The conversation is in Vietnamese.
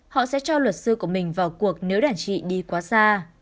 họ sẽ cho luật sư của mình vào cuộc nếu đàn chị đi quá xa